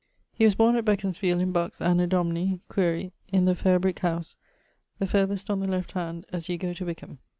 He was borne at Beconsfield, in Bucks, Anno Domini ... (quaere) in the fair brick house, the farthest on the left hand, as you goe to Wickham.